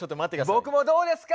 僕もどうですか？